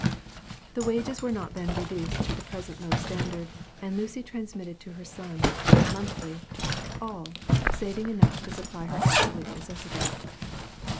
The wages were not then reduced to the present low standard, and Lucy transmitted to her son, monthly, all, saving enough to supply her absolute necessities.